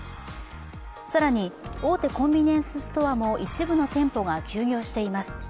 更に、大手コンビニエンスストアも一部の店舗が休業しています。